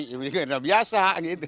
ini tidak biasa